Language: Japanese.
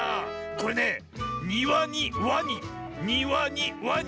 これねニワにワニニワにワニ。